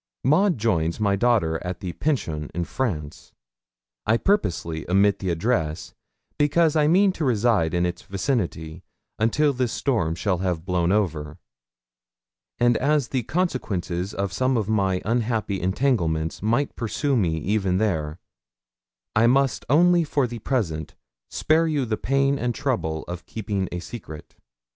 Maud joins my daughter at the Pension, in France. I purposely omit the address, because I mean to reside in its vicinity until this storm shall have blown over; and as the consequences of some of my unhappy entanglements might pursue me even there, I must only for the present spare you the pain and trouble of keeping a secret.